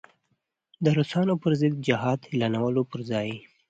د روسانو پر ضد جهاد اعلانولو پر ځای.